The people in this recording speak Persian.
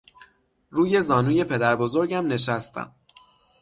روی زانوی پدربزرگم نشستم.